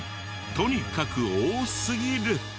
とにかく多すぎる！